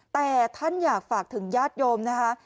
แต่ท่านอยากฝากถึงญาติโยมนะคะ